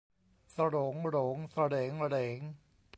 โสรงโหรงเสรงเหรง